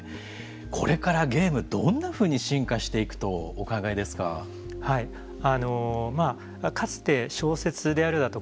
これから、ゲーム、どんなふうに進化していくとかつて小説であるだとか